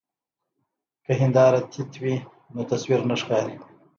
که هنداره تت وي نو تصویر نه ښکاري.